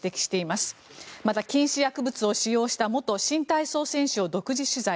また、禁止薬物を使用した元新体操選手を独自取材。